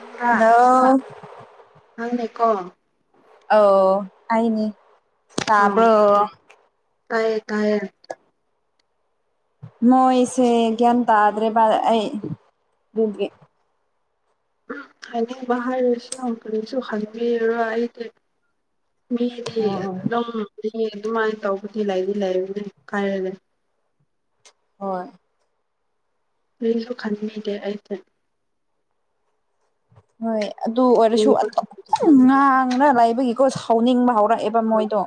ꯅꯪ꯭ꯔꯥ ꯑ ꯑꯥ ꯑ ꯑꯩꯅꯤ ꯇꯕ꯭ꯔꯣ ꯀꯥꯏ ꯀꯥꯏ ꯃꯣꯏꯁꯦ ꯒ꯭ꯌꯥꯟ ꯇꯥꯗ꯭ꯔꯦ ꯚ ꯑꯩ ꯍꯥꯏꯅꯤꯡ ꯍꯥꯏꯔꯔꯁꯨ ꯀꯔꯤꯁꯨ ꯈꯪꯕꯤꯔꯣ ꯑꯩꯗꯤ ꯃꯤꯗꯤꯝ ꯎꯝ ꯑꯦ ꯑꯗꯨꯃꯥꯏꯅ ꯇꯧꯕꯗꯤ ꯂꯩꯗꯤ ꯂꯩꯔꯅꯦ ꯀꯥꯏꯔꯒ ꯍꯣꯏ ꯂꯩꯜꯣ ꯀꯃꯤꯗꯦ ꯑꯗ ꯍꯣꯏ ꯑꯗꯨ ꯑꯣꯏꯔꯁꯨ ꯑꯗꯨ ꯉꯥꯡꯅ ꯂꯩꯥꯏꯕꯒꯤꯀꯣ ꯍꯧꯥꯎꯅꯤꯡꯕ ꯍꯧꯔꯛ ꯑꯦꯕ ꯃꯣꯏꯗꯣ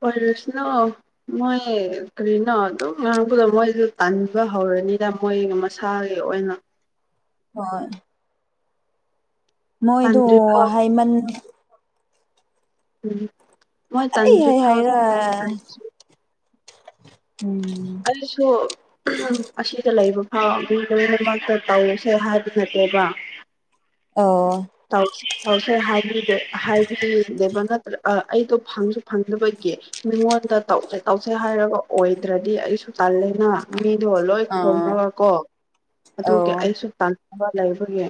ꯄꯔꯁꯅꯣ ꯃꯣꯏ ꯀꯔꯤꯅꯣ ꯑꯗꯨꯝ ꯉꯥꯡꯕꯗꯣ ꯃꯣꯏꯁꯨ ꯇꯥꯟꯕ ꯍꯧꯔꯦ ꯑꯣꯏꯔꯅꯤꯗ ꯃꯣꯏꯒꯤ ꯃꯁꯥꯒꯤ ꯑꯣꯏꯅ ꯍꯣꯏ ꯃꯣꯏꯗꯨ ꯇꯟꯗ꯭ꯔꯤ ꯐꯥꯎ ꯍꯥꯏꯃꯟ ꯎꯝ ꯃꯣꯏ ꯑꯩ ꯇꯟꯗ꯭ꯔꯤ ꯍꯥꯏ ꯐꯥꯎ ꯍꯥꯏꯔ ꯎꯝ ꯑꯗꯨꯁꯨ ꯑꯁꯤꯗ ꯂꯩꯕ ꯍꯥꯎ ꯑꯗꯨ ꯂꯕꯥꯛꯇ ꯇꯧꯁꯦ ꯍꯥꯏꯕ ꯅꯠꯇꯦꯕ ꯑ [unintelligible] ꯁꯔ ꯍꯥꯏꯦꯕ ꯅꯠꯇ꯭ꯔ ꯑꯩꯗꯣ ꯐꯪꯁꯨ ꯐꯪꯗꯕꯒꯤ ꯃꯤꯉꯣꯟ ꯇꯧꯁꯦ ꯇꯧꯁꯦ ꯍꯥꯏꯔꯒ ꯑꯣꯏꯗ꯭ꯔꯗꯤ ꯑꯩꯁꯨ ꯇꯜꯂꯦꯅ ꯑꯗꯣ ꯂꯣꯏ ꯑꯥ ꯈꯣꯅꯒꯀꯣ ꯑꯗꯨꯒꯤ ꯑꯧ ꯑꯩꯁꯨ ꯇ ꯑꯃ ꯂꯩ ꯑꯩꯈꯣꯏꯒꯤ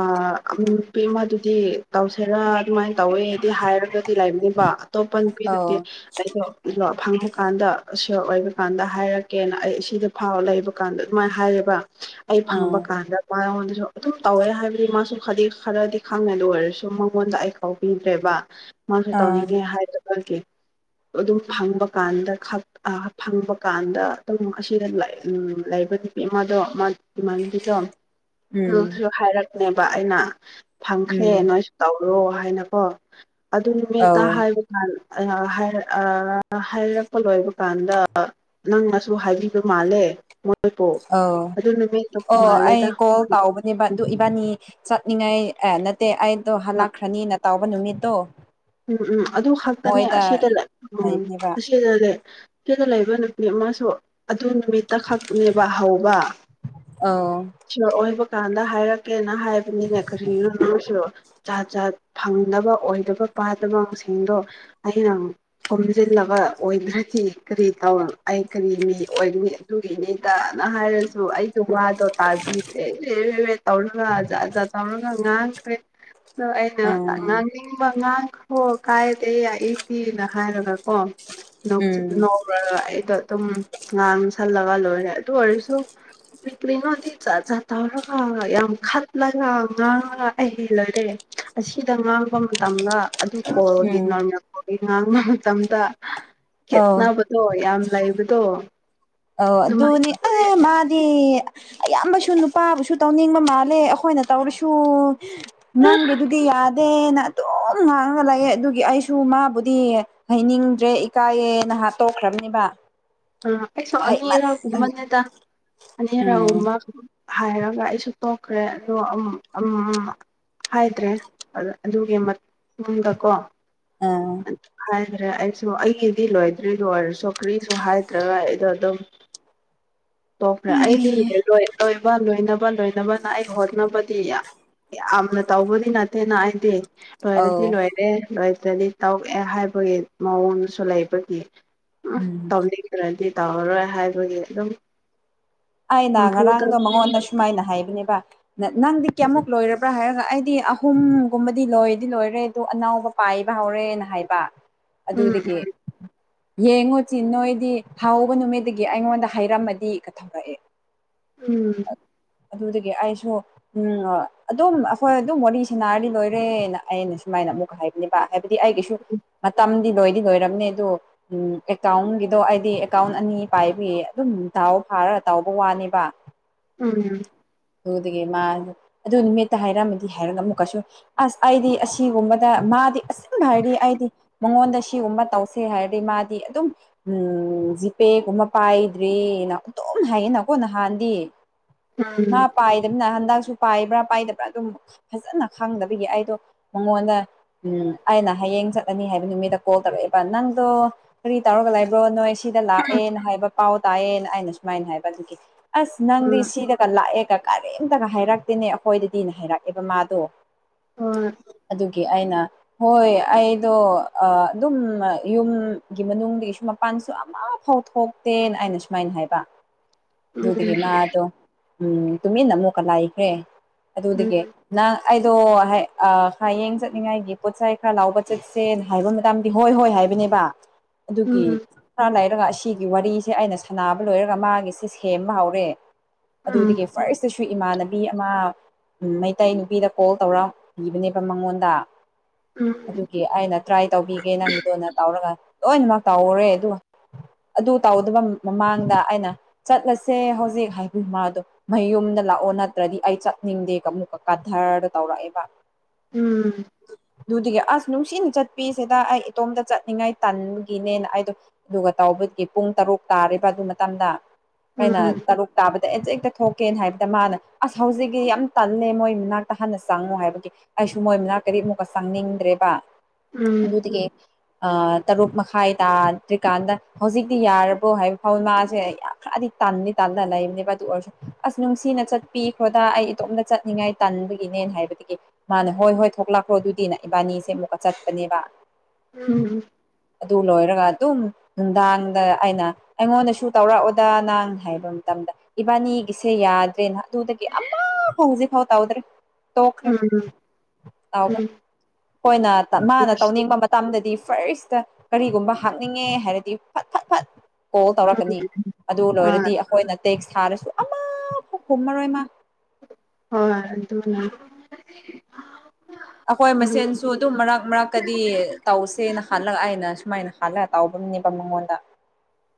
ꯑ ꯅꯨꯄꯤꯃꯗꯨꯗꯤ ꯇꯧꯁꯦꯔꯥ ꯑꯗꯨꯃꯥꯏꯅ ꯇꯧꯋꯦꯗꯤ ꯍꯥꯏꯔꯒ ꯂꯩꯕꯅꯦꯕ ꯑꯇꯣꯞꯄ ꯑꯧ ꯅꯨꯄꯤꯗꯨꯗꯤ ꯑꯩꯗ ꯐꯪ ꯀꯥꯟꯗ ꯁꯤꯌꯣꯔ ꯑꯣꯏꯕ ꯀꯥꯟꯗ ꯍꯥꯏꯔꯛꯀꯦꯅ ꯑꯩ ꯁꯤꯗ ꯐꯥꯎ ꯂꯩꯕ ꯀꯥꯟꯗ ꯑꯗꯨꯃꯥꯏꯅ ꯍꯥꯏꯔꯤꯕ ꯑꯩ ꯑꯥ ꯐꯪꯕ ꯀꯥꯟꯗ ꯃꯉꯣꯟꯗꯁꯨ ꯑꯗꯨꯝ ꯇꯧꯋꯦ ꯍꯥꯏꯕꯗꯤ ꯃꯥꯁꯨ ꯈꯗꯤ ꯈꯔꯗꯤ ꯈꯪꯉꯗ ꯑꯣꯏꯔꯁꯨ ꯃꯉꯣꯟꯗ ꯑꯩ ꯀꯥꯎꯕꯤꯗ꯭ꯔꯦꯕ ꯃꯥꯁꯨ ꯑꯥ ꯇꯧꯅꯤꯡꯉꯦ ꯍꯥꯏꯗ [unintelligible] ꯑꯗꯨꯝ ꯐꯪꯕ ꯀꯥꯟꯗ ꯐꯪꯕ ꯀꯥꯟꯗ ꯑꯗꯨꯝ ꯑꯁꯤꯗ ꯎꯝ ꯍꯥꯏꯕ ꯅꯨꯄꯤ ꯃꯥꯗꯣ ꯃꯥ ꯗꯤꯃꯥꯟꯒꯤꯗꯣ ꯎꯝ ꯑꯗꯨꯁꯨ ꯍꯥꯏꯔꯛꯅꯦꯕ ꯑꯩꯅ ꯐꯪꯈ꯭ꯔꯦ ꯎꯝ ꯅꯣꯏꯁꯨ ꯇꯧꯔꯣ ꯍꯥꯏꯅꯀꯣ ꯑꯗꯨ ꯅꯨꯃꯤꯠꯇ ꯑꯧ ꯍꯥꯏꯕ ꯀꯥꯟ ꯍꯥꯏꯔꯛꯄ ꯂꯣꯏꯕ ꯀꯥꯟꯗ ꯅꯪꯅꯁꯨ ꯍꯥꯏꯕꯤꯕ ꯃꯥꯜꯂꯦ ꯑꯧ ꯑꯗꯨ ꯅꯨꯃꯤꯠꯇꯣ ꯑꯣ ꯑꯩ ꯃꯥꯜꯂꯦꯗ ꯀꯣꯜ ꯇꯥꯎꯕꯅꯦꯕ ꯑꯗꯨ ꯏꯕꯥꯅꯤ ꯆꯠꯅꯤꯡꯉꯥꯏ ꯑꯦ ꯅꯠꯇꯦ ꯑꯩꯗꯣ ꯍꯜꯂꯛꯈ꯭ꯔꯅꯤꯅ ꯇꯥꯎꯕ ꯅꯨꯃꯤꯠꯇꯣ ꯎꯝ ꯎꯝ ꯑꯗꯨ ꯈꯛꯇꯅꯦ ꯃꯣꯏꯗ ꯑꯁꯤꯗ ꯂꯩ ꯎꯝ ꯍꯥꯏꯕꯅꯦꯕ ꯑꯁꯤꯗ ꯂꯩ ꯀꯦꯗ ꯂꯩꯕ ꯅꯨꯄꯤ ꯑꯃꯁꯨ ꯑꯗꯨ ꯅꯨꯃꯤꯠꯇ ꯈꯛꯅꯦꯕ ꯍꯧꯕ ꯑꯧ ꯑꯣꯏꯕ ꯀꯥꯟꯗ ꯍꯥꯏꯔꯛꯀꯦ ꯍꯥꯏꯕꯅꯤꯅ ꯀꯔꯤꯅꯨꯝꯁꯨ ꯆꯥ ꯆꯥ ꯐꯪꯗꯕ ꯑꯣꯏꯗꯕ ꯄꯥꯗꯕꯁꯤꯡꯗꯣ ꯑꯩꯅ ꯈꯣꯝꯖꯤꯜꯂꯕ ꯑꯣꯏꯗ꯭ꯔꯗꯤ ꯀꯔꯤ ꯇꯧ ꯑꯩ ꯀꯔꯤ ꯃꯤ ꯑꯣꯏꯒꯅꯤ ꯑꯗꯨꯒꯤꯅꯤꯗꯅ ꯍꯥꯏꯔꯁꯨ ꯑꯩꯗꯣ ꯋꯥꯗꯣ ꯇꯥꯕꯤꯗꯔꯦ ꯂꯦ ꯂꯦ ꯇꯧꯔꯒ ꯖꯥꯠ ꯖꯥꯠ ꯇꯧꯒ ꯉꯥꯡꯈ꯭ꯔꯦ ꯑꯗꯣ ꯑꯩꯅ ꯎꯝ ꯑꯉꯥꯡꯕ ꯉꯥꯡ ꯍꯣ ꯀꯥꯏꯗꯦ ꯑꯩ ꯌꯥꯏꯗꯤꯤꯅ ꯍꯥꯏꯔꯒ ꯀꯣ ꯎꯝ ꯅꯧꯔꯒ ꯑꯩꯗꯣ ꯑꯗꯨꯝ ꯉꯥꯡꯁꯜꯂꯒ ꯂꯣꯏꯔꯦ ꯑꯗꯨ ꯑꯣꯏꯔꯁꯨ ꯄꯛꯂꯤ ꯅꯣꯗꯤ ꯆ ꯔ ꯌꯥꯝ ꯈ ꯂ ꯑ ꯉ ꯑꯍꯂ ꯔꯦ ꯑꯁꯤꯗ ꯉꯥꯡꯕ ꯃꯇꯝꯗ ꯑꯗꯨ ꯀꯣꯔꯒꯤ ꯎꯝ ꯅꯣꯔꯃꯦꯜ ꯀꯒꯤ ꯉꯥꯡꯕ ꯃꯇꯝꯗ ꯑꯧ ꯈꯦꯠꯅꯕꯗꯣ ꯌꯥꯝ ꯂꯩꯕꯗꯣ ꯑꯧ ꯑꯗꯨꯃꯥꯏꯅ ꯑꯗꯨꯅꯤ ꯑ ꯑꯣꯏ ꯃꯥꯗꯤ ꯑꯌꯥꯝꯕꯁꯨ ꯅꯨꯄꯥꯕꯨꯁꯨ ꯇꯧꯅꯤꯡꯕ ꯃꯥꯜꯂꯦ ꯑꯩꯈꯣꯏꯅ ꯇꯧꯔꯁꯨ ꯅꯪꯒꯦꯗꯨꯗꯤ ꯌꯥꯗꯦꯅ ꯑꯗꯨꯝ ꯉꯥꯡꯉ ꯂꯩꯑꯦ ꯑꯗꯨꯒꯤ ꯑꯩꯁꯨ ꯃꯥꯕꯨꯗꯤ ꯍꯩꯅꯤꯡꯗ꯭ꯔꯦ ꯏꯀꯥꯏꯌꯦ ꯍꯦꯟꯅ ꯍꯥꯠꯇꯣꯛꯈ꯭ꯔꯕꯅꯤꯕ ꯑꯥ ꯑꯩꯁꯨ ꯑꯅꯤꯔꯛꯒꯨꯝꯕꯅꯦꯗ ꯎꯝ ꯑꯅꯤꯔꯒꯨꯝꯕ ꯍꯥꯏꯔꯒ ꯑꯩꯁꯨ ꯇꯣꯛꯈ꯭ꯔꯦ ꯑꯗꯣ ꯎꯝ ꯍꯥꯏꯗ꯭ꯔꯦ ꯑꯗꯨꯒꯤ ꯃꯇꯨꯡꯗꯀꯣ ꯑꯥ ꯍꯥꯏꯈ꯭ꯔꯦ ꯑꯩꯁꯨ ꯑꯩꯒꯤꯗꯤ ꯂꯣꯏꯗ꯭ꯔꯤ ꯂꯣꯏꯔꯁꯨꯣ ꯀꯔꯤꯁꯨ ꯍꯥꯏ ꯅ꯭ꯔꯒ ꯑꯩꯗꯣ ꯑꯗꯨꯝ ꯇꯣꯛꯈ꯭ꯔꯦ ꯑꯩꯗꯤ ꯂꯣꯏ ꯂꯣꯏ ꯂꯣꯏꯅꯕ ꯂꯣꯏꯅꯕꯅ ꯑꯩ ꯍꯣꯠꯅꯕꯗꯤ ꯌꯥꯝꯅ ꯇꯧꯕꯗꯤ ꯅꯠꯇꯦꯅ ꯑꯩꯗꯤ ꯂꯣꯏꯔꯗꯤ ꯑꯧ ꯂꯣꯏꯔꯦ ꯂꯣꯏꯗ꯭ꯔꯗꯤ ꯇꯧꯑꯦ ꯍꯥꯏꯕꯒꯤ ꯃꯑꯣꯡꯁꯨ ꯂꯩꯕꯒꯤ ꯎꯝ ꯇꯧꯅꯤꯡꯗ꯭ꯔꯗꯤ ꯇꯧꯔꯔꯣꯏ ꯍꯥꯏꯕꯒꯤ ꯑꯗꯨꯝ ꯑꯩꯅ ꯅꯝꯐꯨꯗ ꯉꯔꯥꯡꯗꯣ ꯃꯉꯣꯟꯗ ꯁꯨꯃꯥꯏꯅ ꯍꯥꯏꯕꯅꯦꯕ ꯅꯪꯗꯤ ꯀꯌꯥꯃꯨꯛ ꯂꯣꯏꯔꯕ꯭ꯔꯥ ꯍꯥꯏꯔꯒ ꯑꯩꯗꯤ ꯑꯍꯨꯝꯒꯨꯝꯕꯗꯤ ꯂꯣꯏꯗꯤ ꯂꯣꯏꯔꯦ ꯑꯗꯨ ꯑꯅꯥꯎꯕ ꯄꯥꯏꯕ ꯍꯧꯔꯦꯅ ꯍꯥꯏꯕ ꯎꯝ ꯑꯗꯨꯗꯒꯤ ꯌꯦꯡꯉꯨꯁꯤ ꯅꯣꯏꯗꯤ ꯍꯥꯎꯧꯕ ꯅꯨꯃꯤꯠꯇꯒꯤ ꯑꯩꯉꯣꯟꯗ ꯍꯥꯏꯔꯝꯃꯗꯤ ꯊꯧꯔꯛꯑꯦ ꯎꯝ ꯑꯗꯨꯗꯒꯤ ꯑꯩꯁꯨ ꯎꯝ ꯑꯗꯨꯝ ꯑꯩꯈꯣꯏ ꯑꯗꯨꯝ ꯋꯥꯔꯤ ꯁꯟꯅꯔꯗꯤ ꯂꯣꯏꯔꯦꯅ ꯑꯩꯅ ꯁꯨꯃꯥꯏ ꯑꯩꯅ ꯑꯃꯨꯛ ꯍꯥꯏꯕꯅꯦꯕ ꯍꯥꯏꯕꯗꯤ ꯑꯩꯒꯤꯁꯨ ꯃꯇꯝꯗꯤ ꯂꯣꯏ ꯂꯣꯏꯔꯝꯅꯦ ꯑꯗꯣ ꯎ ꯑꯦꯀꯥꯎꯟꯒꯤꯗꯣ ꯍꯥꯏꯗꯤ ꯑꯦꯀꯥꯎꯟ ꯑꯅꯤ ꯄꯥꯏꯕꯤ ꯑꯗꯨꯝ ꯗꯥꯥꯎ ꯐꯥꯔ ꯇꯥꯎꯕ ꯋꯥꯅꯦꯕ ꯎꯝ ꯑꯗꯨꯗꯒꯤ ꯃꯥ ꯑꯗꯨ ꯅꯨꯃꯤꯠꯇ ꯍꯥꯏꯔꯛꯑꯝꯃꯗꯤ ꯍꯥꯏꯔꯒ ꯑꯃꯨꯛ ꯀꯩꯁꯨ ꯑꯁ ꯑꯩꯗꯤ ꯑꯁꯤꯒꯨꯝꯕꯗ ꯃꯥꯗꯤ ꯑꯆꯨꯝꯕ ꯍꯥꯏꯔꯗꯤ ꯑꯩꯗꯤ ꯃꯉꯣꯟꯗ ꯁꯤꯒꯨꯝꯕ ꯇꯧꯁꯦ ꯍꯥꯏꯔꯗꯤ ꯃꯥꯗꯤ ꯑꯗꯨꯝ ꯖꯤꯄꯦꯒꯨꯝꯕ ꯄꯥꯏꯗ꯭ꯔꯔꯤꯅ ꯑꯗꯨꯝ ꯍꯥꯏꯌꯦꯅꯀꯣ ꯅꯍꯥꯟꯗꯤ ꯎꯝ ꯃꯥ ꯄꯥꯏꯗꯃꯤ ꯍꯟꯗꯁꯨ ꯄꯥꯏꯕ꯭ꯔꯥ ꯄꯥꯏꯗꯕ꯭ꯔꯥ ꯑꯗꯨꯝ ꯐꯖꯅ ꯈꯪꯗꯕꯒꯤ ꯑꯩꯗꯣ ꯃꯉꯣꯟꯗ ꯎ ꯑꯩꯅ ꯍꯥꯏꯌꯦ ꯆꯠꯂꯅꯤ ꯍꯥꯏꯕ ꯅꯨꯃꯤꯠꯇ ꯀꯣꯜ ꯇꯧꯔꯛꯑꯦꯕ ꯅꯪꯗꯣ ꯀꯔꯤ ꯇꯧꯔꯒ ꯂꯩꯕ꯭ꯔꯣ ꯅꯣꯏ ꯁꯤꯗ ꯂꯥꯛꯑꯦꯅ ꯍꯥꯏꯕ ꯄꯥꯎ ꯇꯥꯏꯑꯦꯅ ꯑꯩꯅ ꯁꯨꯃꯥꯏꯅ ꯍꯥꯏꯕ ꯑꯗꯨꯒꯤ ꯑꯁ ꯅꯪꯗꯤ ꯎꯝ ꯁꯤꯗꯒ ꯂꯥꯛꯑꯦꯒ ꯀꯔꯤꯝꯇꯒ ꯍꯥꯏꯔꯛꯇꯦꯅꯦ ꯑꯩꯈꯣꯏꯗꯗꯤꯅꯦ ꯍꯥꯏꯔꯛꯑꯦꯕ ꯃꯥꯗꯣ ꯑꯣ ꯑꯗꯨꯒꯤ ꯑꯩꯅ ꯍꯣꯏ ꯑꯩꯗꯣ ꯑꯗꯨꯝ ꯌꯨꯝꯒꯤ ꯃꯅꯨꯡꯗꯒꯤ ꯁꯨꯝ ꯃꯄꯥꯟ ꯑꯃ ꯐꯥꯎ ꯊꯣꯛꯇꯦꯅ ꯑꯩꯅ ꯁꯨꯃꯥꯏꯅ ꯍꯥꯏꯕ ꯎꯝ ꯑꯗꯨꯗꯒꯤ ꯃꯥꯗꯣ ꯎꯝ ꯇꯨꯃꯤꯟꯅ ꯑꯃꯨꯛꯀ ꯂꯥꯛꯈ꯭ꯔꯦ ꯑꯗ ꯎꯝ ꯍꯧꯗꯤꯒ ꯅ ꯑꯩꯗꯣ ꯍꯌꯦꯡ ꯆꯠꯅꯤꯡꯉꯥꯏꯒꯤ ꯄꯣꯠꯆꯥꯏ ꯈꯔ ꯂꯥꯎꯕ ꯆꯠꯁꯦ ꯍꯥꯏꯕ ꯃꯗꯥꯝꯗꯤ ꯍꯣꯏ ꯍꯣꯏ ꯍꯥꯏ ꯍꯥꯏꯕꯅꯦꯕ ꯑꯗꯨꯒꯤ ꯎꯝ ꯁꯇꯥꯔꯥꯏꯠ ꯅꯠꯇꯔꯒ ꯑꯁꯤꯒꯤ ꯋꯥꯔꯤꯁꯦ ꯑꯩꯅ ꯁꯥꯟꯅꯕ ꯂꯣꯏꯔꯒ ꯃꯥꯒꯤꯁꯦ ꯁꯦꯝꯕ ꯍꯧꯔꯦ ꯎꯝ ꯑꯗꯨꯗꯒꯤ ꯐꯥ ꯨ ꯏꯃꯥꯟꯅꯕꯤ ꯑꯃ ꯃꯩꯇꯩ ꯅꯨꯄꯤꯗ ꯀꯣꯜ ꯇꯧꯔꯕꯤꯕꯅꯦꯕ ꯃꯉꯣꯟꯗ ꯎꯝ ꯎꯝ ꯎꯝ ꯎꯝ ꯑꯗꯨꯒꯤ ꯑꯩꯅ ꯇ꯭ꯔꯥꯏ ꯇꯧꯕꯤꯒꯦ ꯅꯪꯒꯤꯗꯣꯅ ꯇꯧꯔꯒ ꯂꯣꯏꯅꯃꯛ ꯇꯥꯎꯎꯔꯦ ꯑꯗꯨꯒ ꯑꯗꯨ ꯇꯧꯗꯕ ꯃꯃꯥꯡꯗ ꯑꯩꯅ ꯆꯠꯂꯁꯦ ꯍꯧꯖꯤꯛ ꯍꯥꯏꯕꯤ ꯃꯌꯨꯝꯗ ꯂꯥꯛꯑꯣ ꯅꯠꯇ꯭ꯔꯗꯤ ꯑꯩ ꯆꯠꯅꯤꯡꯗꯦꯒ ꯑꯃꯨꯛꯀ ꯀꯥꯙꯔꯗ ꯇꯧꯔꯛꯑꯦꯕ ꯎꯝ ꯑꯗꯨꯗꯨꯒꯤ ꯑꯁ ꯅꯨꯡꯁꯤꯅ ꯆꯠꯄꯤꯁꯤꯗ ꯑꯩ ꯏꯇꯣꯝꯇ ꯆꯠꯅꯤꯡꯉꯥꯏ ꯇꯟꯒꯤꯅꯦꯅ ꯑꯩꯗꯣ ꯑꯗꯨꯒ ꯇꯧꯕ ꯍꯧꯀꯤ ꯄꯨꯡ ꯇꯔꯨꯛ ꯇꯥꯔꯤꯕ ꯑꯗꯨ ꯃꯇꯝꯗ ꯑꯩꯅ ꯇꯔꯨꯛ ꯇꯥꯕꯗ ꯊꯣꯛꯀꯦꯅ ꯍꯥꯏꯕꯗ ꯃꯥꯅ ꯑꯁ ꯍꯧꯖꯤꯛꯤ ꯌꯥꯝ ꯇꯜꯂꯦ ꯃꯣꯏ ꯃꯅꯥꯛꯇ ꯍꯥꯟꯟꯅ ꯆꯪꯉꯨ ꯍꯥꯏꯕꯒꯤ ꯑꯩꯁꯨ ꯃꯣꯏ ꯃꯅꯥꯛ ꯀꯔꯤ ꯑꯃꯨꯛꯀ ꯆꯪꯅꯤꯡꯗ꯭ꯔꯦꯕ ꯎꯝ ꯑꯗꯨꯗꯒꯤ ꯇꯔꯨꯛ ꯃꯈꯥꯏ ꯇꯥꯗ꯭ꯔꯤꯀꯥꯟꯗ ꯍꯧꯖꯤꯛꯇꯤ ꯌꯥꯔꯕꯣ ꯍꯥꯏꯕ ꯐꯥꯎꯋ ꯃꯥꯁꯦ ꯈꯔꯗꯤ ꯇꯥꯟꯅꯤ ꯇꯥꯟꯗ ꯂ ꯇ ꯑꯁ ꯅꯨꯡꯁꯤꯅ ꯆꯠꯄꯤꯈ꯭ꯔꯣꯗꯥ ꯑꯩ ꯏꯇꯣꯝꯇ ꯆꯠꯅꯤꯡꯉꯥꯏ ꯇꯟꯕꯒꯤꯅꯦꯅ ꯍꯥꯏꯕꯗꯒꯤ ꯃꯥꯅ ꯍꯣꯏ ꯍꯣꯏ ꯊꯣꯛꯂꯛꯈ꯭ꯔꯣ ꯑꯗꯨꯗꯤꯅꯦ ꯏꯕꯥꯅꯤꯁꯦ ꯑꯃꯨꯛꯀ ꯆꯠꯄꯅꯦꯕ ꯎꯝ ꯑꯗꯨ ꯂꯣꯏꯔꯒ ꯑꯗꯨꯝ ꯅꯨꯡꯗꯥꯡꯗ ꯑꯩꯅ ꯑꯩꯉꯣꯟꯗꯁꯨ ꯇꯧꯔꯛꯑꯣꯗꯥ ꯅꯪ ꯍꯥꯏꯕ ꯑꯃꯇ ꯏꯕꯥꯅꯤꯒꯤꯁꯦ ꯌꯥꯗ꯭ꯔꯦꯅ ꯑꯗꯨꯗꯒꯤ ꯑꯃꯐꯥꯎ ꯍꯧꯖꯤꯛ ꯐꯥꯎ ꯇꯥꯎꯗ꯭ꯔꯦ ꯇꯣꯛꯈ꯭ꯔꯦ ꯎꯝ ꯎꯝ ꯑꯩꯈꯣꯏꯅ ꯃꯥꯅ ꯇꯧꯅꯤꯡꯕ ꯃꯇꯝꯗꯗꯤ ꯐꯥꯔꯁꯇ ꯀꯔꯤꯒꯨꯝꯕ ꯍꯥꯞꯅꯤꯡꯉꯦ ꯍꯥꯏꯔꯗꯤ ꯐꯠ ꯐꯠ ꯐꯠ ꯀꯣꯜ ꯇꯧꯔꯛꯀꯅꯤ ꯑꯗꯨ ꯍꯣꯏ ꯂꯣꯏꯔꯗꯤ ꯑꯩꯈꯣꯏꯅ ꯇꯦꯛꯁ ꯊꯥꯔꯁꯨ ꯑꯥ ꯍꯣꯃꯔꯣꯏꯃ ꯍꯣꯏ ꯑꯗꯨ ꯑꯩꯈꯣꯏ ꯃꯁꯦꯟꯁꯨ ꯑꯗꯨꯝ ꯃꯔꯛ ꯃꯔꯛꯀꯗꯤ ꯇꯧꯁꯦꯅ ꯍꯜꯂꯛ ꯍꯥꯏꯅ ꯁꯨꯃꯥꯏꯅ ꯍꯥꯜꯂꯒ ꯇꯥꯎꯕꯅꯦꯕ ꯃꯉꯣꯟꯗ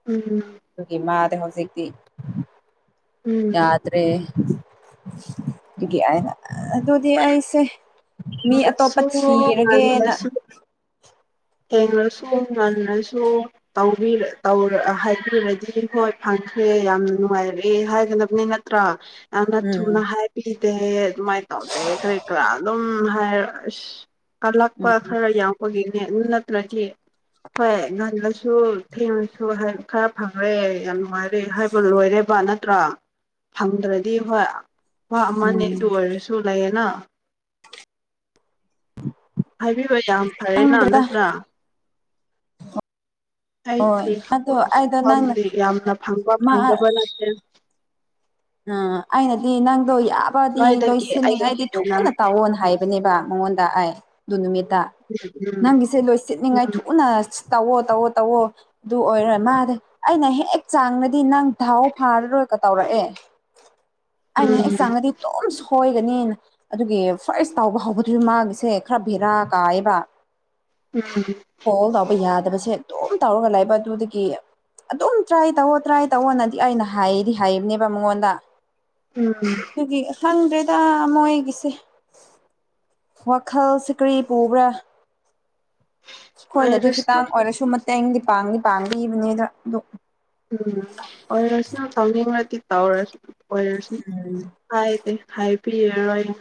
ꯎꯝ ꯒꯤ ꯃꯥꯗꯦ ꯍꯧꯖꯤꯛꯇꯗꯤ ꯎꯝ ꯌꯥꯗ꯭ꯔꯦ ꯑꯣꯁꯦ ꯃꯤ ꯑꯇꯣꯞꯄ ꯏꯪꯉꯁꯨ ꯊꯤꯔꯒꯦꯅ ꯉꯜꯂꯁꯨ ꯊꯦꯡꯂꯁꯨ ꯉꯜꯂꯁꯨ ꯍꯥꯏꯕꯤꯔꯗꯤ ꯍꯣꯏ ꯐꯪ ꯁꯦ ꯌꯥꯝ ꯅꯨꯡꯉꯥꯏꯔꯦ ꯍꯥꯏꯒꯗꯕꯅꯤ ꯅꯠꯇ꯭ꯔꯥ ꯌꯥꯝꯅ ꯎꯝ ꯊꯨꯅ ꯍꯥꯏꯕꯤꯗꯦ ꯑꯗꯨꯃꯥꯏꯅ ꯇꯧꯗꯦ ꯀꯔꯤ ꯀꯔꯥ ꯑꯗꯨꯝ ꯎꯝ ꯍꯥꯏ ꯑꯁ ꯎꯝ ꯀꯜꯂꯛꯄ ꯈꯔ ꯌꯥꯎꯕꯒꯤꯅꯦ ꯑꯗꯨ ꯅꯠꯇ꯭ꯔꯗꯤ ꯍꯣꯏ ꯉꯒꯟꯁꯨ ꯊꯤꯝꯁꯨ ꯈꯔ ꯐꯔꯦ ꯌꯥꯝ ꯅꯨꯡꯉꯥꯏꯔꯦ ꯍꯥꯏꯕ ꯂꯣꯏꯔꯦꯕ ꯅꯠꯇ꯭ꯔꯥ ꯐꯪꯗ꯭ꯔꯗꯤ ꯍꯣꯏ ꯋꯥ ꯑꯃꯅꯦ ꯎꯝ ꯑꯗꯨ ꯑꯣꯏꯔꯁꯨ ꯂꯩꯌꯦꯦꯅ ꯍꯥꯏꯕꯤꯕ ꯌꯥꯝ ꯐꯔꯦꯅ ꯈꯪꯗ꯭ꯔꯦꯗ ꯅꯠꯇ꯭ꯔꯥ ꯍꯣꯏ ꯑꯗꯣ ꯑꯩꯗꯣ ꯅꯪꯅ ꯑꯩꯗꯤꯪꯗꯤ ꯌꯥꯝꯅ ꯐꯪꯕ ꯐꯪꯗꯕ ꯅꯠꯇꯦ ꯎꯝ ꯑꯩꯅꯗꯤ ꯅꯪꯗꯣ ꯌꯥꯕꯗꯤ ꯅꯣꯏꯗꯒꯤ ꯑꯩ ꯂꯣꯏꯁꯤꯟꯅꯤꯡꯉꯥꯏꯗꯤ ꯍꯦꯟꯅ ꯊꯨꯅ ꯇꯥꯛꯑꯣꯅ ꯍꯥꯏꯕꯅꯦꯕ ꯑꯩꯉꯣꯟꯗ ꯑꯩ ꯑꯗꯨ ꯅꯨꯃꯤꯠꯇ ꯎꯝ ꯅꯪꯒꯤꯁꯦ ꯂꯣꯏ ꯁꯤꯠꯅꯤꯡꯉꯥꯏ ꯎꯝ ꯊꯨꯅ ꯇꯧꯋꯣ ꯇꯧꯋꯣ ꯇꯧꯋꯣ ꯑꯗꯨ ꯑꯣꯏꯔꯣꯏ ꯃꯥꯗꯤ ꯑꯩꯅ ꯍꯦꯛ ꯆꯥꯡꯅ ꯗꯤ ꯅꯪ ꯥꯎ ꯐꯥꯔꯔꯣꯏꯒ ꯇꯧꯔꯛꯑꯦ ꯑꯅꯦ ꯎꯝ ꯆꯒꯗꯤ ꯇ ꯁꯣꯏꯒꯅꯤꯅ ꯑꯗꯨꯒꯤ ꯐ꯭ꯔꯦꯁ ꯇꯥꯎꯕ ꯍꯧꯧꯕꯗꯨꯔꯤꯕ ꯃꯥꯒꯤꯁꯦ ꯈꯔ ꯚꯦꯔꯥ ꯀꯥꯏꯌꯦꯕ ꯎꯝ ꯀꯣꯜ ꯇꯎꯕ ꯌꯥꯗꯕꯁꯦ ꯑꯗꯨꯝ ꯇꯧꯔꯒ ꯂꯩꯕ ꯑꯗꯨꯗꯒꯤ ꯑꯗꯨꯝ ꯇ꯭ꯔꯥꯏ ꯇꯧꯑꯣ ꯇ꯭ꯔꯥꯏ ꯇꯧꯑꯣꯅꯗꯤ ꯑꯩꯅ ꯍꯥꯏꯗꯤ ꯍꯥꯏꯕꯅꯦꯕ ꯃꯉꯣꯟꯗ ꯎꯝ ꯑꯗꯨꯒꯤ ꯈꯪꯗ꯭ꯔꯦꯗ ꯃꯣꯏꯒꯤꯁꯦ ꯋꯥꯈꯜ ꯁꯤꯀ꯭ꯔꯤ ꯄꯨꯕ꯭ꯔꯥ ꯑꯩꯈꯣꯏꯅꯗꯤ ꯈꯤꯇꯪ ꯑꯣꯏꯔꯁꯅꯨ ꯑꯣꯏꯔꯁꯨ ꯃꯇꯦꯡꯗꯤ ꯄꯥꯡꯗꯤ ꯄꯥꯡꯕꯤꯕꯅꯤꯗ ꯑꯗꯨ ꯎꯝ ꯑꯣꯏꯔꯁꯨꯅ ꯊꯧꯅꯤꯡꯉꯗꯤ ꯇꯧꯔꯁꯤ ꯑꯣꯏꯔꯁꯤ ꯍꯥꯏꯗꯤꯦ ꯍꯥꯏꯕꯤꯔꯔꯣꯏ ꯑ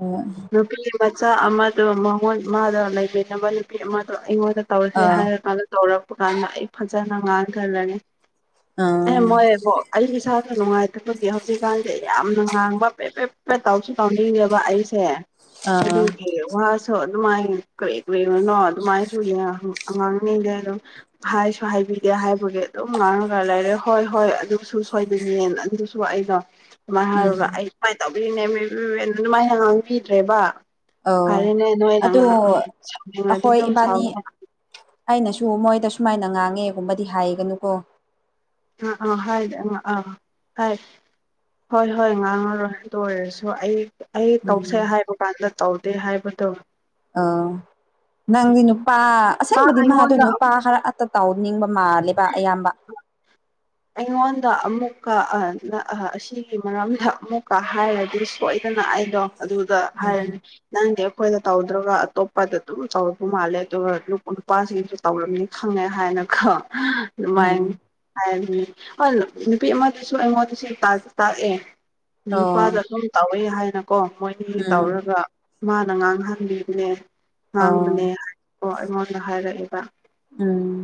ꯑꯣ ꯃꯆꯥ ꯑꯃꯗꯣ ꯃꯉꯣꯟ ꯃꯥꯗ ꯂꯩꯕꯤꯅꯕ ꯅꯨꯄꯤ ꯑꯃꯗꯣ ꯑꯩꯉꯣꯟꯗ ꯇꯧꯁ꯭ꯔꯦ ꯑꯥ ꯍꯥꯏꯔ ꯀꯥꯟꯗ ꯇꯧꯔꯛꯄ ꯀꯥꯟꯗ ꯑꯩ ꯐꯖꯅ ꯉꯥꯡꯈꯜꯂꯅꯤ ꯑꯦ ꯑꯥ ꯃꯣꯏ ꯑ ꯁꯥꯥꯣ ꯅꯅꯨꯡꯉꯥꯏ ꯇꯣꯍ ꯍꯧꯖꯤꯛꯀꯥꯟꯁꯦ ꯌꯥꯝꯅ ꯉꯥꯡꯕ ꯄꯦ ꯄꯦ ꯄꯦꯠ ꯇꯧꯁꯨ ꯇꯥꯎꯅꯤꯡꯉꯦꯕ ꯑꯩꯁꯦ ꯑꯥ ꯑꯗꯨꯒꯤ ꯋꯥꯁꯨꯣ ꯑꯗꯨꯃꯥꯏꯅ ꯀꯔꯤ ꯀꯔꯤꯅꯅꯣ ꯑꯗꯨꯃꯥꯏꯅꯁꯨꯉꯉꯥꯡꯅꯤꯡꯗꯦ ꯑꯗꯨꯝ ꯍꯥꯏꯁꯨ ꯍꯥꯏꯕꯤꯗꯦ ꯍꯥꯏꯕ ꯒꯤ ꯑꯗꯨꯝ ꯉꯥꯡꯅꯒ ꯂꯩꯔꯦ ꯍꯣꯏ ꯍꯣꯏ ꯑꯗꯨꯁꯨ ꯁꯣꯏꯗꯅꯦꯅ ꯑꯗꯨꯁꯨ ꯑꯩꯩꯅꯣ ꯁꯨꯥꯏꯅ ꯎꯝ ꯍꯥꯏꯔꯒ ꯑꯩ ꯁꯨꯃꯥꯏꯅ ꯇꯧꯕꯤꯔꯤꯅꯦ ꯃꯥꯏꯅ ꯉꯥꯡꯕꯤꯗ꯭ꯔꯦꯕ ꯑꯧ ꯐꯔꯦꯅꯦ ꯑꯗꯣ ꯅꯣꯏꯗꯍꯥꯛꯅꯤꯡꯉꯗꯤ ꯑꯩꯈꯣꯏ ꯑꯗꯨꯝ ꯏꯕꯥꯅꯤ ꯁꯥꯎꯋꯦ ꯑꯩꯅꯁꯨ ꯃꯣꯏꯗ ꯁꯨꯃꯥꯏꯅ ꯉꯥꯡꯉꯦꯒꯨꯝꯕꯗꯤ ꯍꯥꯏꯒꯅꯨꯀꯣ ꯑꯥ ꯑꯥ ꯍꯥꯏ ꯑ ꯑꯥ ꯍꯥꯏ ꯍꯣꯏ ꯍꯣꯏ ꯉꯥꯡꯉꯔꯣꯏ ꯂꯣꯏꯔꯁꯨ ꯑꯩ ꯑꯩ ꯇꯧꯁꯦ ꯎꯝ ꯍꯥꯏꯕ ꯀꯥꯟꯗ ꯇꯧꯗꯦ ꯍꯥꯏꯕꯗꯣ ꯑ ꯅꯪꯒꯤ ꯅꯨꯄꯥ ꯃꯥ ꯑꯁꯦꯡꯕꯗꯤ ꯃꯥꯗꯣ ꯑꯩꯉꯣꯟꯗ ꯅꯨꯄꯥ ꯈꯔ ꯑꯠꯇ ꯇꯥꯎ ꯅꯤꯡꯕ ꯃꯥ ꯑꯩꯉꯣꯟꯗ ꯑꯃꯨꯛ ꯑꯁꯤꯒꯤ ꯃꯔꯝꯗ ꯑꯃꯨꯛꯀ ꯍꯥꯏꯔꯗꯤ ꯁꯣꯏꯗꯅ ꯑꯩ ꯣ ꯑꯗꯨꯗ ꯎꯝ ꯍꯥꯏꯔꯅꯤ ꯅꯪꯗꯤ ꯑꯩꯈꯣꯏꯅ ꯇꯧꯗ꯭ꯔꯒ ꯑꯇꯣꯞꯄꯗ ꯑꯗꯨꯝ ꯇꯧꯔꯨ ꯃꯥꯜꯂꯦ ꯑꯗꯨꯒ ꯅꯨꯄꯥꯁꯤꯡꯁꯨ ꯇꯧꯔꯝꯅꯤ ꯈꯪꯉꯦ ꯍꯥꯏꯅ ꯣ ꯎꯝ ꯑꯗꯨꯃꯥꯏꯅ ꯍꯥꯏ ꯑ ꯅꯨꯄꯤ ꯑꯃꯗꯁꯨ ꯑꯩꯉꯣꯟꯗꯁꯨ ꯇꯥꯛꯑꯦ ꯅꯨꯄꯥꯗ ꯑꯣ ꯑꯗꯨꯝ ꯇ ꯊꯣꯛꯦ ꯍꯥꯏꯅꯀꯣ ꯃꯣꯏꯒꯤ ꯎꯝ ꯇꯧꯔꯒ ꯃꯥꯅ ꯉꯥꯡꯍꯟꯕꯤꯕꯅꯦ ꯑꯣ ꯉꯥꯡꯕꯅꯦ ꯑꯣ ꯑꯩꯉꯣꯟꯗ ꯍꯥꯏꯔꯛꯑꯦꯕ ꯎꯝ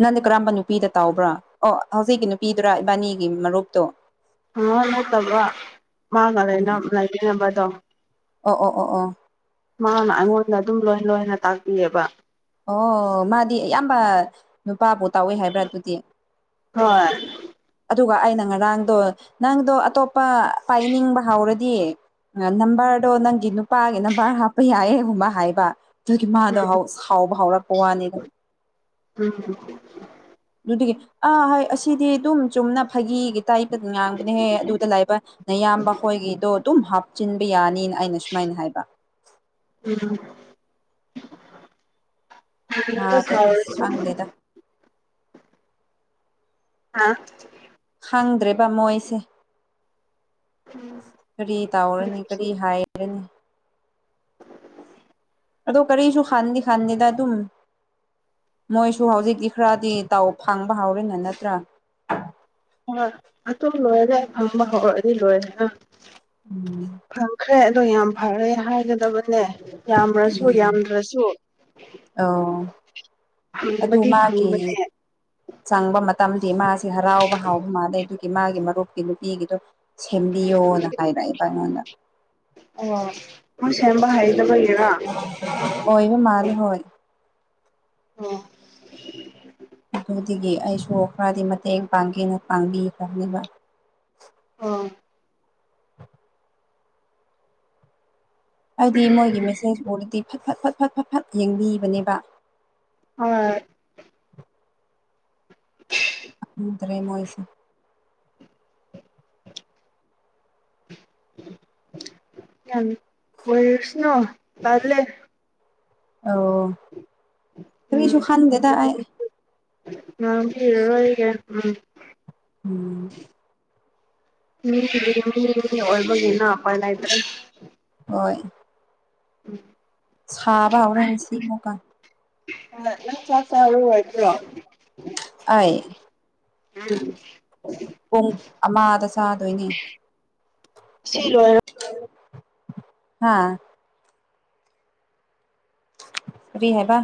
ꯅꯪꯗꯤ ꯀꯔꯝꯕ ꯅꯨꯄꯤꯗ ꯇꯥꯎꯕ꯭ꯔꯥ ꯑꯣ ꯍꯧꯖꯤꯛꯀꯤ ꯅꯨꯄꯤꯗꯨꯔ ꯏꯕꯥꯅꯤꯒꯤ ꯃꯔꯨꯞꯇꯣ ꯍꯉꯣ ꯅꯠꯇꯕ ꯃꯥꯅ ꯑꯣ ꯂꯩꯦꯅ ꯂꯩꯕꯤꯅꯕꯗꯣ ꯑꯣ ꯑꯣ ꯑꯣ ꯃꯥꯅ ꯑꯩꯉꯣꯟꯗ ꯑꯗꯨꯝ ꯂꯣꯏꯅ ꯂꯣꯏꯅ ꯇꯥꯛꯄꯤꯑꯕ ꯑꯣ ꯃꯥꯗꯤ ꯑꯌꯥꯝꯕ ꯅꯨꯄꯥꯕꯨ ꯇꯥꯎꯋꯏ ꯍꯥꯏꯕ꯭ꯔꯥ ꯑꯗꯨꯗꯤ ꯍꯣꯏ ꯑꯗꯨꯒ ꯑꯩꯅ ꯉꯔꯥꯡꯗꯣ ꯅꯪꯗꯣ ꯑꯇꯣꯞꯄ ꯄꯥꯏꯅꯤꯡꯕ ꯍꯧꯎꯔꯗꯤ ꯅꯝꯕꯔꯗꯣ ꯅꯪꯒꯤ ꯅꯨꯄꯥꯒꯤ ꯅꯝꯕꯔ ꯍꯥꯞꯄ ꯌꯥꯏꯌꯦꯒꯨꯝꯕ ꯍꯥꯏꯕ ꯑꯗꯨꯒꯤ ꯃꯥꯗꯣ ꯍꯥꯎꯕ ꯍꯧꯥꯎꯔꯛꯄ ꯋꯥꯅꯤꯗ ꯎꯝ ꯑꯗꯨꯒꯤ ꯑꯥ ꯑꯁꯤꯗꯤ ꯑꯗꯨꯝ ꯆꯨꯝꯅ ꯐꯥꯒꯤꯒꯤ ꯇꯥꯏꯞ ꯉꯥꯡꯕꯅꯦꯍꯦ ꯑꯗꯨꯗ ꯂꯥꯛꯕ ꯅꯌꯥꯝꯕ ꯑꯩꯈꯣꯏꯒꯤꯗꯣ ꯑꯗꯨꯝꯞ ꯆꯤꯟꯕ ꯌꯥꯅꯤꯅ ꯑꯩꯅ ꯁꯨꯃꯥꯏꯅ ꯍꯥꯏꯕ ꯎꯝ ꯁꯨ ꯃꯥꯗꯣ ꯑꯁ ꯈꯪꯗꯦꯗ [unintelligible] ꯑꯥ ꯈꯪꯗ꯭ꯔꯦꯕ ꯃꯣꯏꯁꯦ ꯀꯔꯤ ꯇꯥꯎꯔꯅꯤ ꯀꯔꯤ ꯍꯥꯏꯔꯅꯤ ꯑꯗꯣ ꯀꯔꯤꯁꯨꯨ ꯈꯥꯟꯗ ꯈꯥꯟꯗꯦꯗ ꯑꯗꯨꯝ ꯃꯣꯏꯁꯨ ꯍꯧꯖꯤꯛꯇꯤ ꯈꯔꯗꯤ ꯇꯥꯎ ꯐꯪꯕ ꯍꯧꯎꯔꯦꯅ ꯅꯠꯇ꯭ꯔꯥ ꯑꯗꯨꯝ ꯂꯣꯏꯔꯦ ꯍꯪꯕ ꯍꯧꯔꯛꯗꯤ ꯂꯣꯏꯔꯦꯍꯦ ꯎꯝ ꯑꯗꯣ ꯌꯥꯝ ꯐꯔꯦ ꯍꯥꯏꯒꯗꯕꯅꯦ ꯌꯥꯝ꯭ꯔꯁꯨ ꯌꯥꯝꯗ꯭ꯔꯁꯨ ꯑꯣ ꯑꯗꯨ ꯐꯪꯕꯗꯤ ꯃꯥꯒꯤ ꯐꯪꯕꯅꯦ ꯗꯤ ꯃꯥꯁꯤꯦ ꯍꯔꯥꯎꯕ ꯍꯥꯎꯕ ꯃꯥꯥꯟꯅꯩ ꯑꯗꯨꯒꯤ ꯃꯥꯒꯤ ꯃꯔꯨꯞꯀꯤ ꯅꯨꯄꯤꯒꯤꯗꯣ ꯁꯦꯝꯕꯤꯌꯣꯅ ꯍꯥꯏꯔꯛꯏꯕꯉꯣꯟꯗ ꯑꯣ ꯃꯣꯏ ꯁꯦꯝꯕ ꯍꯩꯗꯕꯒꯤꯔ ꯃꯥꯔꯤ ꯍꯣꯏ ꯑꯣ ꯁꯤꯒꯤ ꯑꯩꯁꯨ ꯈꯔꯗꯤ ꯃꯇꯦꯡ ꯄꯥꯡꯒꯦꯅ ꯄꯥꯡꯕꯤꯈ꯭ꯔꯅꯦꯕ ꯑꯥ ꯍꯥꯏꯗꯤ ꯃꯣꯏꯒꯤ ꯃꯦꯁꯦꯁꯄꯨꯗꯗꯤ ꯐꯠ ꯐꯠ ꯐꯠ ꯐꯠ ꯐꯠ ꯐꯠ ꯌꯦꯡꯕꯤꯕꯅꯦꯕ ꯑꯥ [unintelligible] ꯗꯦ ꯃꯣꯏꯁꯦ ꯌꯥꯝ ꯑꯣꯏꯣꯏꯁꯅꯣ ꯇꯂꯦ ꯀꯔꯤꯁꯨ ꯈꯥꯟꯗꯦꯗ ꯑꯩ ꯉ ꯐ [unintelligible] ꯑꯣꯏꯒꯦ ꯎꯝ ꯎꯝ ꯃꯤ ꯑꯣꯜꯕꯒ ꯌꯦꯅ ꯍꯥꯄꯂꯗ꯭ꯔꯦ ꯍꯣꯏ ꯎꯝ ꯁꯕ ꯍꯧꯔꯛꯁꯤ ꯃꯨꯀꯥ ꯑꯪ ꯆꯥꯛ ꯆꯔꯔꯣꯗ꯭ꯔꯣ ꯑ ꯑꯩ ꯄꯨꯡ ꯑꯃꯗ ꯆꯥꯗꯣꯏꯅꯤ ꯁꯤ ꯂꯣꯏꯔꯣ ꯍꯥꯥ ꯀꯔꯤ ꯍꯥꯏꯕ